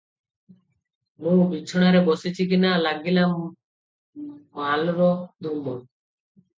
ମୁଁ ବିଛଣାରେ ବସିଛି କି ନା, ଲାଗିଲା ମାଲର ଧୂମ ।